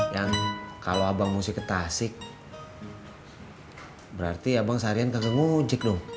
yang kalau abang musik ketasik berarti abang seharian kagak ngunjik dong